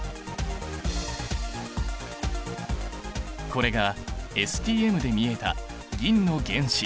これがＳＴＭで見えた銀の原子！